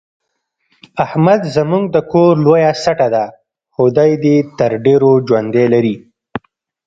احمد زموږ د کور لویه سټه ده، خدای دې تر ډېرو ژوندی لري.